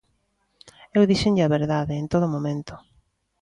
Eu díxenlle a verdade en todo momento.